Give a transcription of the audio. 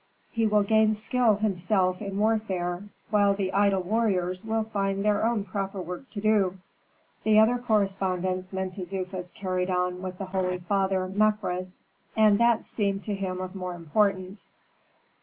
He will gain skill himself in warfare, while the idle warriors will find their own proper work to do." The other correspondence Mentezufis carried on with the holy father Mefres and that seemed to him of more importance.